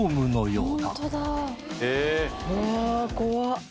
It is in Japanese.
うわぁ怖っ。